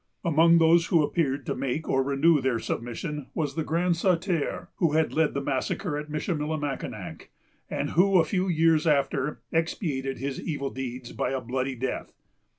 Among those who appeared to make or renew their submission was the Grand Sauteur, who had led the massacre at Michillimackinac, and who, a few years after, expiated his evil deeds by a bloody death.